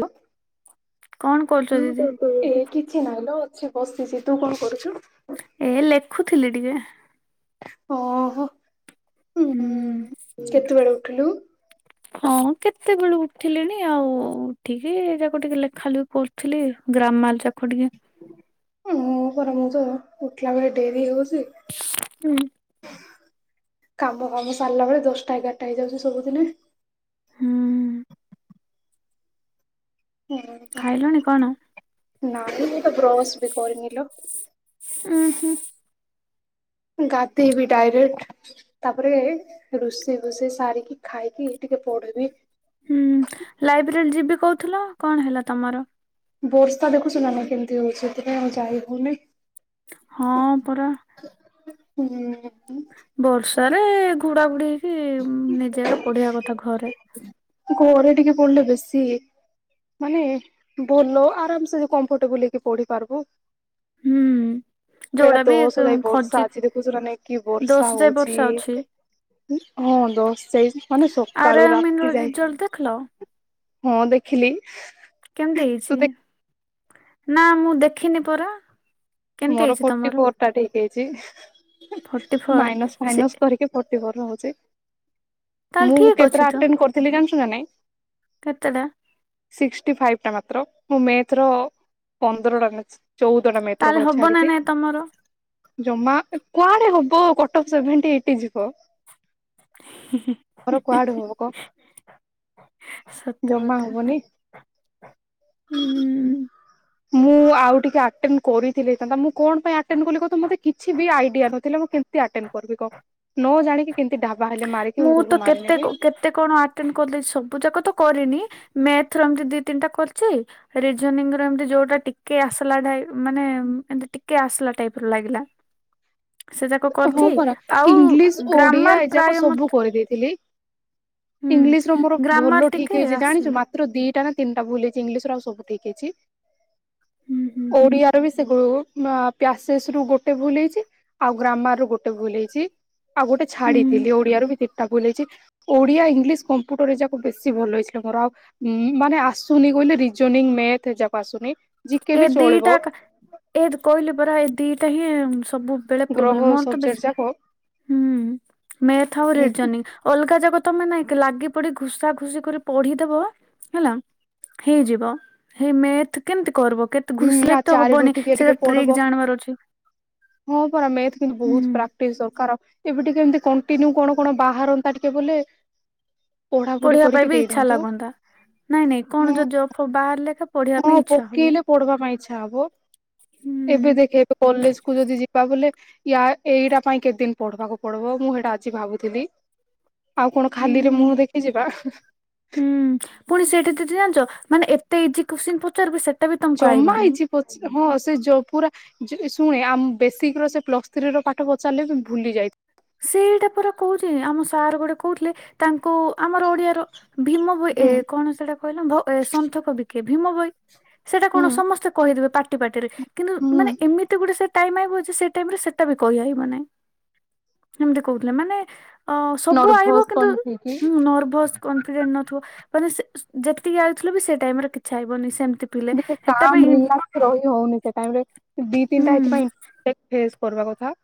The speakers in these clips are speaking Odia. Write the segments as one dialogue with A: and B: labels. A: ହାଲୋ
B: କଣ କରୁଛ
A: ହଁ
B: ଦିଦି?
A: କୁହ? ଏ କିଛି ନାହିଁ ଲୋ ଅଛି ବସିଛି, ତୁ କଣ କରୁଛୁ?
B: ଏ ଲେଖୁଥିଲି ଟିକେ।
A: ଓ ହୋ ଉଁ
B: ହୁଁ
A: କେତେବେଳେ ଉଠିଲୁ?
B: ହଁ କେତେବେଳୁ ଉଠିଲିଣି ଆଉ, ଉଠିକି ଏ ଯାକୁ ଟିକେ ଲେଖାଲେଖି କରୁ ଥିଲି ଗ୍ରାମାଲ ଚାଖ ଟିକେ
A: [unintelligible] ଉଠିଲା ବେଳେ ଡେରି ହଉଛି।
B: ହୁଁ।
A: କାମ କାମ ସାରିଲା ବେଳେ, ଦଶଟା ଏଗାରଟା ହେଇଯାଉଛି ସବୁଦିନେ।
B: ହୁଁ। ଖାଇଲଣି କଣ?
A: ନାଁଇ ମୁଁ ତ ବ୍ରସ ବି କରିନି ଲୋ।
B: ଉଁ- ହୁଁ।
A: ଗାଧେଇବି ଡାଇରେକ୍ଟ ତାପରେ ରୋଷେଇ ଫୋଷେଇ ସାରିକି, ଖାଇକି ଟିକେ ପଢିବି।
B: ହୁଁ ଲାଇବ୍ରେରୀ ଯିବି କହୁଥିଲ, କଣ ହେଲା ତମର?
A: ବର୍ଷା ଦେଖୁଚୁ ନା କେମିତି ହଉଛି, ସେଥିପାଇଁ ଆଉ ଯାଇ ହଉନେଇ।
B: ହଁ ପରା।
A: ହୁଁ।
B: ବର୍ଷାରେ ଘୁଡାଘୁଡି ହେଇକି ଉଁ ନିଜେ ଏକା ପଢିବା କଥା ଘରେ।
A: ଘରେ ଟିକେ ପଢିଲେ ବେଶୀ ଇଏ ମାନେ ଭଲ ଆରାମ ସେ କମ୍ଫଟେବଲ ହେଇକି ପଢି ପାରିବୁ।
B: ହୁଁ
A: ସେଇଟା
B: ଯୋଉଟା
A: ତୋ
B: ବି
A: ସ ଯାଇ
B: ଖଜି
A: ବର୍ଷା ଅଛି ଦେଖୁଛୁ ନା ନାଇ, କି
B: ଦୋଷ
A: ବର୍ଷା
B: ଯାଏ
A: ହଉଛି।
B: ବର୍ଷା ଅଛି
A: ହଁ ଦଶ ସେଇ ମାନେ ସକାଳୁ ରାତି ଯାଇ
B: ଜଲ ଦେଖିଲ
A: ହଁ ଦେଖିଲି।
B: କେମିତି
A: ତୁ
B: ହେଇଛି?
A: ଦେଖ
B: ନା ମୁଁ ଦେଖିନି ପରା। କେମିତି
A: ମୋର
B: ହେଇଛି
A: ଫୋର୍ଟି
B: ତମର
A: ଫୋର ଟା ଠିକ ହେଇଛି,
B: ଫର୍ଟି ଫୋର
A: ମାଇନସ
B: ସେ
A: ଫାଇନସ୍ କରିକି ଫର୍ଟିଫୋର ରହୁଛି,
B: ତାହେଲେ
A: ମୁଁ
B: ଠିକ ଅଛି
A: କତେଟା
B: ତ
A: ଆଟେନ୍ କରିଥିଲି ଜାଣିଛୁ ନା ନାହିଁ?
B: କେତେଟା?
A: ସିକ୍ସଟିଫାଇପ ଟା ମାତ୍ର, ମୁଁ ମ୍ୟାଥର ପନ୍ଦରଟା କରିଚି। ଚଉଦଟା ମ୍ୟାଥ ର
B: ତାହେଲେ
A: କ [unintelligible]
B: ହବ ନା
A: ଛାଡିଛି।
B: ନାଇଁ ତମର
A: ଜମା କୁଆଡେ ହବ, କଟ ଅଫ୍ ସେଭେଣ୍ଟି ଏଇଟି ଯିବ। ମୋର କୁଆଡେ ହବ କହ,
B: ସତ
A: ଜମା
B: କଥା
A: ହବନି।
B: ହୁଁ
A: ମୁଁ ଆଉ ଟିକେ ଆଟେନ୍ କରିଥିଲେ ହେଇଥାନ୍ତା। ମୁଁ କଣ ପାଇଁ ଆଟେନ କଲି କ ତ, ମୋତେ କିଛି ବି ଆଇଡିଆ ନଥିଲା ମୁଁ କେମିତି ଆଟେନ କରିବି କ? ନ ଜାଣିକି କେମିତି ଢାବା ହେଲେ ମାରିକି, ମୁଁ
B: ତ
A: ସବୁ
B: କେତେ
A: ମାରିନେବି।
B: କେତେ କଣ ଅଟେନ କଲି, ସବୁ ଯାକ ତ କରିନି। ମ୍ୟାଥ ର ଏମିତି ଦି ତିନିଟା କରିଛି ରିଯୋନିଂ ର ଏମତି ଯୋଉଟା ଟିକେ ଆସିଲା ଟା ମାନେ ଏମିତି ଟିକେ ଆସିଲା ଟାଇପର ଲାଗିଲା। ସେ ଯାକ
A: ହଁ
B: କରିଛି
A: ପରା
B: ଆଉ
A: ଇଂଲିଶ, ଓଡିଆ
B: ଗ୍ରାମାର
A: ଏ ଯାକ
B: ପ୍ରାୟ
A: ସବୁ
B: ମତେ
A: କରିଦେଇଥିଲି।
B: ହୁଁ
A: ଇଂଲିଶ ର ମୋର
B: ଗ୍ରାମାର
A: ଭଲ
B: ଟିକେ
A: ଠିକ ହେଇଛି ଜାଣିଛୁ
B: ଆସିଲା
A: ମା ତ୍ର ଦିଟା ନା ତିନଟା ଭୁଲ ହେଇଛି ଇଂଲିଶ ର ଆଉ ସବୁ ଠିକ ହେଇଚି
B: ହୁଁ ହୁଁ ହୁଁ
A: ଓଡିଆ। ରବି ସେ ଗୋ ମା ପ୍ୟାସେସ୍ ରୁ ଗୋଟେ ଭୁଲ ହେଇଛି। ଆଉ ଗ୍ରାମାର ରୁ ଗୋଟେ ଭୁଲ ହେଇଛି ଆଉ ଗୋଟେ
B: ହୁଁ
A: ଛାଡିଥିଲି ଓଡିଆ ର ବି ଦିଟା ଭୁଲ ହେଇଛି। ଓଡ଼ିଆ ଇଂଲିଶ କମ୍ପ୍ୟୁଟରରେ ଯା କୁହ ବେଶୀ ଭଲ ହୋଇଥିଲା ମୋର ଆଉ ଉଁ ମାନେ ଆସୁନି କହିଲେ ରିଜୋନିଙ୍ଗ ମେଥ ଏଯାକ ଆସୁନି। ଜିକେ
B: ଏ
A: ବି ଚଳିବ
B: ଦିଟା କା ଏ କହିଲି ପରା ଏ ଦିଟା ହିଁ ସବୁ। ବେଳେ
A: ଗ୍ରହ
B: ପ୍ରବ୍ଲୋମ ମୋର ତ ବେଶୀ
A: ସବଜେକ୍ଟ ଯାକ
B: ହୁଁ ମେଥ ଆଉ ରିଜୋନି ଅଲଗା ଯାକ ତମେ ନାଇଁ କି ଲାଗି ପଡି ଘୁସା ଘୁସି କରି ପଢିଦବ ହେଲା। ହେଇଯିବ ହେଇ ମେଥ କେମୀତି କରିବ କେ
A: ହୁଁ ରା ଚାରିରୁୁ ଉଠିକି ଏ ଟିକେ ପଢବ
B: ଜାଣିବାର ଅଛି
A: ହଁ ପରା ମେଥ କିନ୍ତୁ ବହୁତ
B: ହୁଁ
A: ପ୍ରା ଟି ସରକାର ଏବେ ଟିକେ ଏମିତି କଣ୍ଟିନିଉ କଣ କଣ ବାହାରନ୍ତା ଟିକେ ବୋଲେ। ପଢାପଢି
B: ପଢିବା
A: କରିକି
B: ପାଇଁ ବି ଇଚ୍ଛା
A: ଦେଇଦିଅନ୍ତୁ
B: ଲାଗନ୍ତା ନାଇଁ ନାଇଁ କଣ ଯ ଜବ ଫବ୍ ବାହାରଲେ ଏକା ପଢିବା ପାଇଁ
A: ହଁ
B: ଇଚ୍ଛା ହବ
A: ପକେଇଲେ ପଢିବା ପାଇଁ ଇଚ୍ଛା ହବ
B: ହୁଁ
A: ଏବେ ଦେଖେ। କଲେଜ କୁ ଯଦି ଯିବା ବୋଲେ। ୟା ଏଇଟା ପାଇଁ କେତେ ଦିନ ପଢବାକୁ ପଡବ ମୁଁ ହେଇଟା ଆଜି ଭାବୁଥିଲି। ଆଉ କଣ
B: ହୁଁ
A: ଖାଲିରେ ମୁହଁ ଦେଖି ଯିବା ହା।
B: ହୁଁ ପୁଣି ସେଇଠି ଦିଦି ଜାଣିଛ ମାନେ ଏତେ ଇଜି କୋଷ୍ଚିନ ପଚାରିବେ ସେ
A: ଜମା ହେଇଛି ପଛେ ହଁ ସେ ଯୋ ପୁରା। ଯୁ ଏ ଶୁଣେ ଆମ ବେସିକ ର ସେ ପ୍ଲସ ଥ୍ରୀ ର ପାଠ ପଚାରିଲେ ବି ଭୁଲି ଯାଇ
B: ସେଇଟା ପରା କହୁଛି ଆମ ସାର୍ ଗୋଟେ କହୁଥିଲେ। ତାଙ୍କୁ ଆମର ଓଡିଆର ଭୀମ ଭୋଇ ଏ
A: ହୁଁ
B: କଣ ସେଟା କହିଲ ଭୋ ଏ ସନ୍ଥ କବି। କିଏ ଭୀମ ଭୋଇ ସେଟା
A: ହୁଁ
B: କଣ ସମସ୍ତେ କହିଦେବେ ପାଟି ପାଟିରେ କିନ୍ତୁ
A: ହୁଁ
B: ମାନେ ଏମିତି ଗୋଟେ ସେ ଟାଇମ [unintelligible] ଅଛି ସେ ଟାଇମ ରେ ସେଟା ବି କହିହାଇବ ନାହିଁ। ଏମିତି କହୁଥିଲେ ମାନେ ଅ ସବୁ ଆଇବ
A: ନର୍ଭସ
B: କିନ୍ତୁ
A: କନଫ୍ୟୁଜ
B: ଉଁ ନର୍ଭସ୍। କନଫିଡେଣ୍ଟ ନଥିବ ମାନେ ସେ ଯେତିକି ଆଉଥିଲେ ବି ସେ ଟାଇମରେ କିଛି ଆଇବନି ସେମ
A: ଗୁଟେ କାମ ରୁହିଲାନା ରହି ହଉନି ସେ ଟାଇମରେ ଏ ଦି ତିନିଟା ଏଥିପାଇଁ। ଟେକ୍ ଫେସ କରବା କଥା।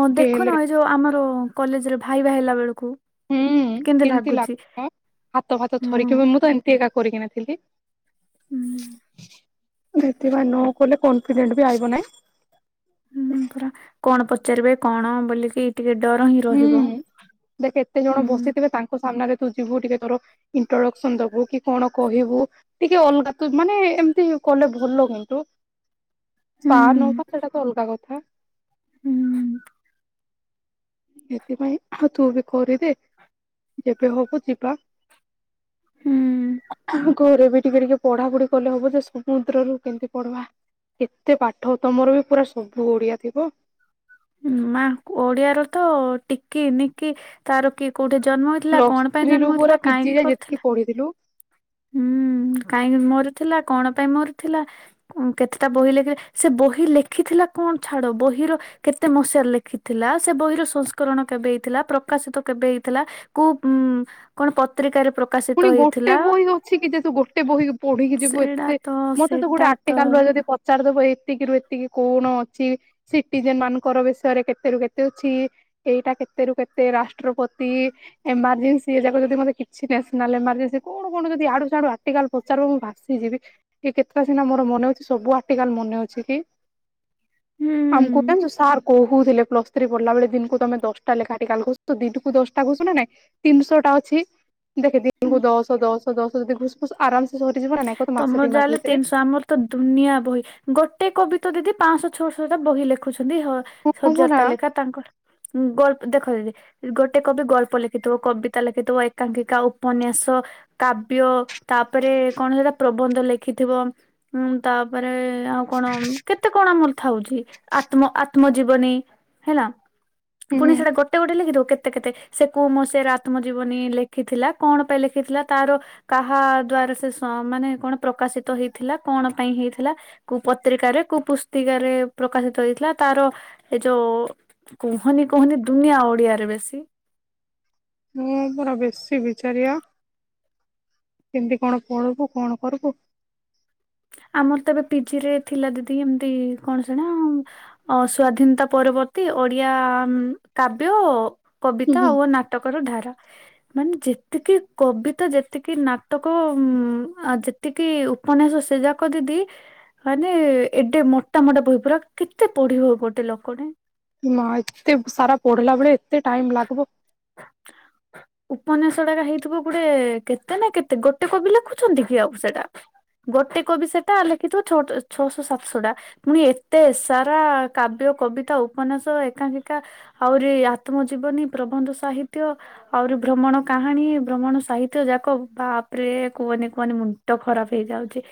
B: ଅ
A: ହେଲେ
B: ଦେଖୁନ ଏଇ ଯୋଉ ଆମର କଲେଜରେ ଭାଇବା ହେଲା ବେଳକୁ।
A: ହୁଁ
B: କେମିତି
A: କେମୀତି
B: ଲାଗୁଛି
A: ଲାଗବ ହାତ ଫାତ
B: ହୁଁ
A: ଥରିକି ମ-ମୁଁ ତ ଏମିତି ଏକା କରିକିିଣାଥିଲି।
B: ହୁଁ।
A: ସେଥିପାଇଁ ନ କହିଲେ କନଫିଡେଣ୍ଟ ବି ଆଇବ ନାହିଁ।
B: ହୁଁ ପରା କଣ ପଚାରିବେ କଣ ବୋଲିକି ଟିକେ ଡର ହିଁ
A: ହୁଁ
B: ରହିବ।
A: ଦେଖ କେତେ
B: ହୁଁ
A: ଜଣ ବସିଥିବେ ତାଙ୍କ ସାମ୍ନାରେ ତୁ ଯିବୁ ଟିକେ ତୋର। ଇଣ୍ଟ୍ରୋଡକ୍ସନ ଦବୁ କି କଣ କହିବୁ। ଟିକେ ଅଲଗା ତୁ ମାନେ ଏମିତି କଲେ ଭଲ କିନ୍ତୁ।
B: ହୁଁ
A: ପାର ନୌକା ସେଟା ତ ଅଲଗା କଥା।
B: ହୁଁ।
A: ସେଥିପାଇଁ ଆଉ ତୁ ବି କରିଦେ ଯେବେ ହବ ଯିବା। [unintelligible] ଘରେ ବି ଟିକେ ଟିକେ ପଢାପଢି କଲେ ହବ ଯେ ସମୁଦ୍ରରୁୁ କେମିତି ପଢବା? ଏତେ ପାଠ ତମର ବି ପୁରା ସବୁ ଓଡିଆ ଥିବ।
B: ମା ଓଡିଆ ର ତ ଟିକି ନିକି ତାର କିଏ କୋଉଠି ଜନ୍ମ ଥିଲା କଣ ପାଇଁ ଜନ୍ମ ହଉଥିଲା କାହିଁକି କରିଥିଲା?
A: ପଢ଼ିଥିଲୁ।
B: ହୁଁ କାହିଁକି ମରି ଥିଲା କଣ ପାଇଁ ମରି ଥିଲା? ଉଁ କେତେଟା ବହି ଲେଖିଲେ ସେ ବହି ଲେଖିଥିଲା କଣ ଛାଡ଼ ବହିର। କେତେ ମସିହାରେ ଲେଖିଥିଲା ସେ ବହିର ସଂସ୍କରଣ କେବେ ହେଇଥିଲା ପ୍ରକାଶିତ କେବେ ହେଇଥିଲା? କୋଉ ଉଁ କଣ ପତ୍ରିକାରେ ପ୍ର
A: ପୁଣି ଗୋଟେ ବହି ଅଛି କି ଯେହେତୁ ଗୋଟେ ବହି ପଢିକି ଯିବୁ
B: ସେଇଟା
A: ଏତେ
B: ତ
A: ମତେ ତ
B: ସେଇଟା
A: ଗୋଟେ ଆଟିକାଲର ଯଦି ପ ଚାରିଦବ ଏତିକିରୁୁ ଏତିକି କଣ ଅଛି? ସିଟିଜେନ୍ ମାନଙ୍କର ବିଷୟରେ କେତ ରୁ କେତେ ଅଛି? ଏଇଟା କେତେ ରୁ କେତେ ରାଷ୍ଟ୍ରପତି। ଏମର୍ଜେନ୍ସି ଏ ଯାକ ଯଦି ମତେ କିଛି ନେଲେ ଏମରଜିନ୍ସ କଣ କଣ ଯଦି ଇଆଡୁ ସିଆଡୁ ଆର୍ଟିକାଲ ପଚାରିଦେବ ମୁଁ ଭାସିଯିବି। ଏ କେତୋଟା ସିନା ମୋ ମନେ ଅଉ ସବୁ ଆ ଆର୍ଟିକାଲ ମନେ ଅଛି କି? ଆମକୁ
B: ହୁଁ
A: କିନ୍ତୁ ସାର୍ କହୁ କହୁଥିଲେ ପ୍ଲସ ଥ୍ରୀ ପଢିଲା ବଳେ ଦିନକୁୁ ତମେ ଦଶଟା ଲେଖାଏ ଆର୍ଟିକାଲ ଘୁସୁଛ ଦିନକୁ ଦଶଟା ଘୁଶୁ ନା ନାଇଁ। ତିନିଶ ଟା ଅଛି ଦେଖେ
B: ହୁଁ
A: ଦିନକୁ ଦଶ ଦଶ ଦଶ ଯଦି ଘୁସ ଫୁସ ଆରାମସେ ସରିଯିବ ନା ନାଇଁ। କତ ମାସେ
B: ତମର
A: ଦି
B: ଯାହା
A: ମାସ
B: ହେଲେ
A: ଭିତରେ।
B: ତିନିଶ ଆମର ତ ଦୁନିଆ ବହି ଗୋଟେ କବିତା ଦିଦି ପାଂଶ ଛଅଶ ଟା ବହି ଲେଖୁଛନ୍ତି ହଁ। ସଜରଟା ଲେଖା ତାଙ୍କର ଗଳ୍ପ ଦେଖ ଦିଦି ଗୋଟେ କବି ଗଳ୍ପ ଲେଖିଥିବ କବିତା ଲେଖିଥିବ ଏକାଙ୍କିକା ଉପନ୍ୟାସ କାବ୍ୟ ତାପରେ କଣ ହେରା ପ୍ରବନ୍ଧ ଲେଖିଥିବ ଉଁ ତାପରେ ଆଉ କଣ କେତେ କଣ ଆମର ଥାଉଛି। ଆତ୍ମ ଆତ୍ମ ଜୀବନୀ ହେଲା ପୁଣି
A: ହୁଁ
B: ସେଇଟା ଗୋ ଗୋଟେ ଗୋଟେ ଲେଖିଦବ କେତେ କେତେ ସେ କୁ ମସିଆରେ ଆତ୍ମଜୀବନୀ ଲେଖିଥିଲା କଣ ପାଇଁ ଲେଖିଥିଲା ତାର କାହା ଦ୍ଵାରା ସେ ସ ମାନେ କଣ ପ୍ରକାଶିତ ହେଇଥିଲା କଣ ପାଇଁ ହେଇଥିଲା? କୁ ପତ୍ରିକାରେ କୋଉ ପୁସ୍ତିକା ରେ ପ୍ରକାଶିତ ହେଇଥିଲା ତାର ଏ ଯୋ କୁହନି କୁହନି ଦୁନିଆ ଓଡିଆରେ ବେଶୀ
A: ମୁଁ ପୁରା ବେଶୀ ବିଚାରିଆ କେମିତି କଣ ପଢିବୁ କଣ କରିବୁ?
B: ଆମର ତ ଏବେ ପିଜି ରେ ଥିଲା ଦିଦି ଏମତି କଣ ସେଣା ଅ ସ୍ଵାଧୀନତା ପରବର୍ତ୍ତୀ ଓଡିଆ କାବ୍ୟ
A: ହୁଁ
B: କବିତା
A: ହୁଁ।
B: ଓ ନା ଟକର ଧାରା ମାନେ ଯେତିକି କବିତା ଯେତିକି ନାଟକ ଉ ଆ ଯେ ଏତିକି ଉପନ୍ୟାସ ସେ ଯାକ ଦିଦି ମାନେ ଏଡେ ମୋଟା ମୋଟା ବହି ପୁର କେତେ ପଢିବ ଗୋଟେ ଲୋକଟେ?
A: ଏମା ଏତେ ସାରା ପଢିଲା ବେଳେ ଏତେ ଟାଇମ ଲାଗିବ
B: ଉପନ୍ୟାସ ଟା ହେଇଥିବ ଗୋଟେ କେତେ ନା କେତେ ଗୋଟେ କବି ଲେଖୁଛନ୍ତି କି ଆଉ ସେଟା। ଗୋଟେ କବି ସେଟା ଲେଖିଥିବ ଛଟ ଛଅଶ ସାତଶ ଟା। ପୁଣି ଏତେ ସାରା କାବ୍ୟ କବିତା ଉପନ୍ୟାସ ଏକାଙ୍କିକା। ଆହୁରି ଆତ୍ମ ଆହୁରି ଭ୍ରମଣ କାହାଣୀ ଭ୍ରମଣ ସାହିତ୍ୟ ଯାକ ବାପରେ କୁହନି କୁହନି ମୁଁ ଟ ଖରାପ ହେଇଯାଉଛି।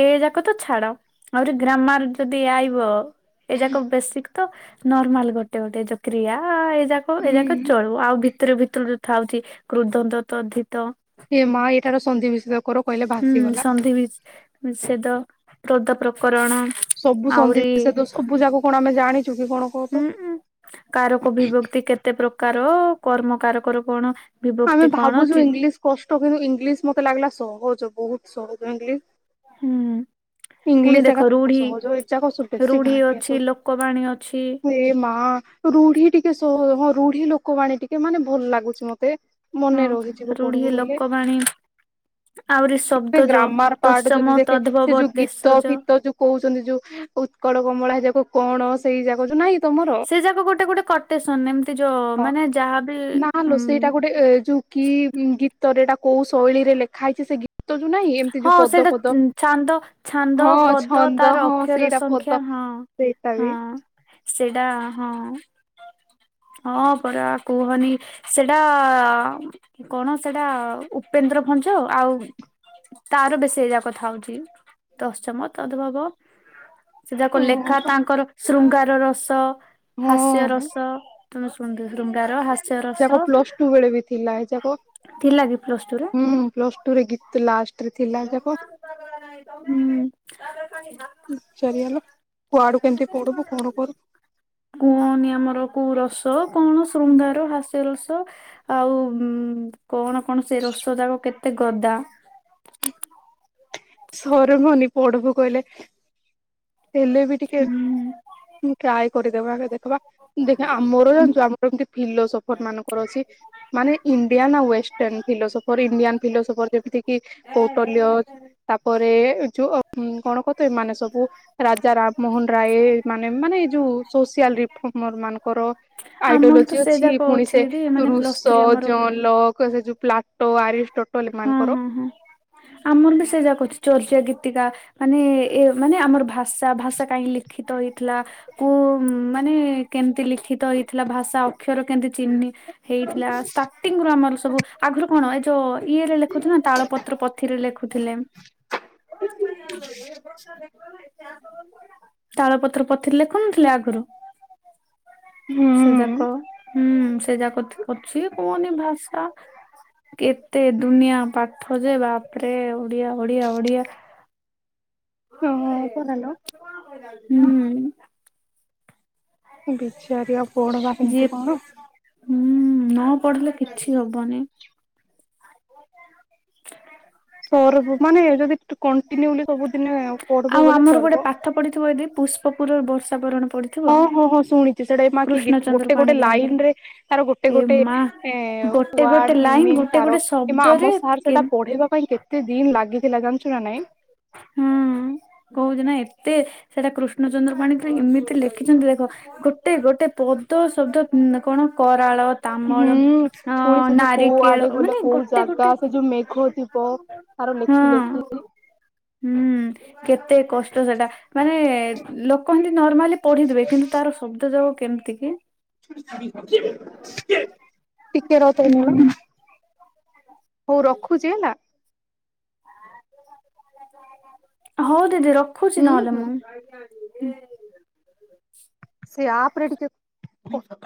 B: ଏ ଯାକ ତ ଛାଡ ଆହୁରି ଗ୍ରାମାର ଯଦି ଆଇବ ଏ ଯାକ ବେଶୀ ତ ନର୍ମାଲ ଗୋଟେ ଗୋଟେ ଯ କ୍ରିୟ ଏ ଯାକ ଏ ଯାକ ଚଳୁବ ଆଉ ଭିତରେ ଭି ତ୍ରୁରଥାଉଛି କ୍ରୁଧନ୍ତ ତଦ୍ଧିତ
A: ଏ ମା ଏଇଟାର ସନ୍ଧିବିଚ୍ଛେଦ କର କହିଲେ ଭାସିଗଲା।
B: ଦି ବିଚ୍ ନିଷେଦ ହ୍ରଦ ପ୍ରକରଣ
A: ସବୁ ସନ୍ଧି
B: ଆହୁରି
A: ବିଚ୍ଛେଦ ସବୁ ଯାକ କଣ ଆମେ ଜାଣିଛୁ କି କଣ? କହ ତ?
B: ହୁଁ କାରକ ବିିବକ୍ତି କେତେ ପ୍ରକାର କର୍ମ କାରକ ରେ କଣ
A: ଆମେ
B: ବିଭକ୍ତି କଣ
A: ଭାବୁଛୁ
B: ଚି
A: ଇଂଲିଶ କଷ୍ଟ କିନ୍ତୁ ଇଂଲିଶ ମତେ ଲାଗିଲା ସହଜ ବହୁତ ସହଜ ଇଂଲିଶ
B: ହୁଁ। ପୁଣି
A: ଇଂଲିଶ
B: ଦେଖ
A: ଏକା
B: ରୁଢି
A: ସହଜ ଏଯାକ ସବୁ ବେଶୀ
B: ରୁଢି
A: ଘାଣ୍ଟିଆ
B: ଅଛି
A: ସ,
B: ଲୋକବାଣୀ ଅଛି
A: ଏ ମା ରୁଢି ଟିକେ ସହଜ, ହଁ ରୁଢି ଲୋକବାଣୀ ଟିକେ ମାନେ ଭଲ ଲାଗୁଛି ମତେ।
B: ହଁ
A: ମନେ ରହିଯିବ
B: ରୁଢି
A: ପଢିବୁ ବୋଲେ।
B: ଲୋକବାଣୀ ଆହୁରି ଶବ୍ଦ ଯୋ
A: ଗ୍ରାମାର ପାର୍ଟ ଯଦି
B: ତତ୍ସମ
A: ଦେଖେ ସେ
B: ତଦ୍ଭବ
A: ଯଉ ଗିତ ତ
B: ଦେଶଜ
A: ଫୀତ ଯୋଉ କହୁଛନ୍ତି ଯୋଉ ଉତ୍କଳ କମଳା ହେଇଯାକୁ କଣ ସେଇ ଜାଗା ଯୋଉ ନାଇଁ ତମର
B: ସେଯାକ ଗୋଟେଗୋଟେ କୋଟେସନ ଏମିତି ଯୋ
A: ହଁ
B: ମାନେ ଯାହାବି
A: ନାଲୋ
B: ଉଁ
A: ସେଇଟା ଗୋଟେ ଏ ଯୁ କି ଗୀତରେ ଏଟା କୋଉ ଶୈଳୀରେ ଲେଖା ହେଇଛି ସେ, ଗୀ
B: ହଁ ସେଇଟା ଛାନ୍ଦ- ଛାନ୍ଦ
A: ହଁ
B: ପଦ
A: ଛନ୍ଦ
B: ତାର
A: ହଁ
B: ଅକ୍ଷର
A: ସେଇଟା ପଦ
B: ସଂଖ୍ୟା ହଁ
A: ସେଇଟା ବି
B: ହଁ। ସେଇଟା ହଁ ହଁ ପରା କୁହନି ସେଟା- କଣ ସେଟା ଉପେନ୍ଦ୍ର ଭଞ୍ଜ ଆଉ ତାର ବିଶେୟା କଥା ହଉଚ ଦଶଜମ ତଦଭବ। ସେ ଯାକ ଲେଖା
A: ଓହୋ
B: ତାଙ୍କର ଶୃଙ୍ଗାର ରସ ହାସ୍ୟ
A: ହଁ
B: ରସ। ତମେ ରୁାର [unintelligible]
A: ଯାକ ପ୍ଲସଟୁ ବେଳେ ବି ଥିଲା ଯାକୁଁ
B: ଥିଲା କି ପ୍ଲସ ଟୁ ରେ?
A: ପ୍ଲସଟୁରେ। ତ ଲାଷ୍ଟରେ ଥିଲା ଯାକ-
B: ହୁଁ
A: ସରିଗଲା କୁଆଡୁ କେମିତି ପଡିବୁ କଣୁ କରିବୁ।
B: କୁହନି ଆମର କୋଉ ରସ କଣ ଶୃଙ୍ଗାର ହାସ୍ୟ ରସ। ଆଉ କଣ କଣ ସେ ରସ ଯାକ କେତେ ଗଦା।
A: ସମୟ ହଉନି ପଢବୁ କହିଲେ ହେଲେ ବି ଟିକେ,
B: ହୁଁ
A: ହଁ ଟ୍ରାୟ କରିଦେବା ଆ ଦେଖବା ଦେଖ ଆମର ଜାଣିଛୁ ଆମର ଏମତି ଫିଲୋସଫି, ଭୋଟର ମାନଙ୍କର ଅଛି, ମାନେ ଇଣ୍ଡିଆନ ଆଉ ୱେଷ୍ଟେରନ ଫିଲୋସଫର, ଇଣ୍ଡିଆନଫିଲୋସଫର ଯେମିତି କିି କୌଟଲ୍ୟ, ତାପରେ ଯୋଉ କଣ କ ତ ଏମାନେସବୁ ରାଜା ରାମମୋହନ ରାୟ, ମାନେ, ମାନେ ଏଇ ଯୋଉ ସୋସିଆଲ ରିଫର୍ମର ମାନଙ୍କର।
B: ଆମର ତ
A: ଆଇଡୋଲୋଜି
B: ସେ
A: ଅଛି
B: ଯାକ
A: ପୁଣି
B: ଅଛି
A: ସେ
B: ଦିଦି ମାନେ ପ୍ଲସ୍
A: ରୁଷୋ,
B: ଥ୍ରୀ ଆମର
A: ଜନଲକ, ସେ ଯୋଉ ପ୍ଲାପ, ତୋ ଆରିଶଟୋଟଲ
B: ହଁ
A: ଏମାନଙ୍କର,
B: ହଁ ହଁ। ଆମର ବି ସେଯାକ ଅଛି ଚର୍ଚ୍ୟା ଗୀତିକା, ମାନେ, ଏମାନେ ଆମର ଭାଷା, ଭାଷାକାହିଁକି ଲିଖିତ ହେଇଥିଲା, କୁ, ମାନେ କେମତି ଲିଖିତ ହେଇଥିଲା ଭାଷା ଅକ୍ଷର କେମିତି ଚିହ୍ନିବା। ହେଇଥିଲା, ଷ୍ଟାର୍ଟିଙ୍ଗ ରୁ ଆମର ସବୁ ଆଗରୁ କଣ ଏ ଯୋଉ ଇଏ ରେ ଲେଖୁ ନା ତାଳପତ୍ର ପତ୍ର। ଲେଖୁଥିଲେ, କଣ ପାଇଁ ଆସୁଥିଲଯେ ବସ୍ ଟା ଦେଖିଲାନାଇ। [unintelligible] [unintelligible] ତାଳ ପତ୍ର ପଥିରେ ଲେଖୁନଥିଲେ ଆଗରୁ,
A: ନୁହଁ, [inaudible]
B: ସେଯାକ ହୁଁ, ସେ ଯାକ ଅଛି କୁହନି ଭାଷା, କେତେ ଦୁନିଆ ପାଠ ଯେ ବାପରେ ଓଡିଆ, ଓଡିଆ, ଓଡିଆ,
A: ହଁ
B: ନ, ପରେ
A: ପରାଲୋ
B: ତାପରେ କଣ କହିଲାଯେ ସେଟା, ହୁଁଉଁ [unintelligible]
A: ବିଚାରି ଆଉ ଫୋଣ ବା କେମତି କଣ?
B: ହୁଁଉ ନପଢିଲେ କିଛି ହବନି,
A: ପଢ଼ବୁ ମାନେ ଯଦି କଣ୍ଟିନୁଲି ସବୁଦିନେ ପଢବୁ ବୋଲେ ସରବ,
B: ପଡିଥିବ ଜଦି ପୁଷ୍ପୁପୂର, ର ବର୍ଷାବରଣ ପଡି
A: ଓହୋଃ, ହୋ, ଶୁଣିଛି ସେଟା ମା କି ଗୀତ ଗୋଟେଗୋଟେ
B: ପାଣିଗ୍ରାହୀଙ୍କର
A: ଲାଇନରେ ତାର ଗୋଟେ
B: ଏ
A: ଗୋଟେ
B: ମା
A: ଏଁ
B: ଗୋଟେ ଗୋଟେ ଲାଇନ
A: ୱାର୍ଡମିନିଙ୍ଗ,
B: ଗୋଟେ
A: ପାରୋ,
B: ଗୋଟେ
A: ଏମା
B: ଶବ୍ଦରେ
A: ଆମ ସାର୍
B: କେ
A: ସେଟା ପଢେଇବା ପାଇଁ କେତେ- କେତେଦିନ ଲାଗିଥିଲା ଜାଣିଛୁ ନା ନାଇଁ, -
B: ହୁଁ, କହୁଛିନା ଏତେ, ସେଟା କୃଷ୍ଣଚନ୍ଦ୍ର ପାଣି। ଏମିତି ଲେଖିଛନ୍ତି ଦେଖ ଗୋଟେ ଗୋଟେ ପଦ ଶବ୍ଦ କଣ କରାଳ, ତାମଳ
A: ହୁଁ
B: ଅ
A: ପୁଣି ସେ ଯଉ କୋଉ
B: ନାରିକେଳ
A: ଆଡେ ଗଲେ
B: ମାନେ
A: କୋଉ
B: ଗୋଟେ ଗୋଟେ
A: ଜାଗା ସେ ଯୋଉ ମେଘ ଥିବ, ତାର
B: ହଁ
A: ଲେଖୁ ଲେଖିଲି,
B: ହୁଁ କେତେ କଷ୍ଟ ସେଟା ମାନେ ଲୋକ ଏମତି ନର୍ମାଲି ପଢିଦିବବେ। କିନ୍ତୁ ତାର ଶବ୍ଦ ଯୋଗ କେମିତି କି?
A: ଟିକ ର ତ ମ ନା
B: ହୁଁ।
A: [unintelligible] ହଉ ରଖୁଛି ହେଲା।
B: ହଉ ଦିଦି ରଖୁଛି
A: ହୁଁ
B: ନହେଲେ
A: ହୁଁ
B: ମୁଁ।
A: ସେ ଆପରେିକ [unintelligible]